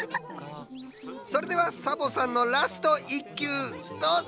それではサボさんのラスト１きゅうどうぞ！